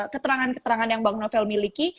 keterangan keterangan yang bang novel miliki